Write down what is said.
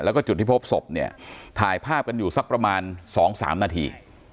แล้วก็จุดที่พบศพเนี่ยถ่ายภาพกันอยู่สักประมาณ๒๓นาที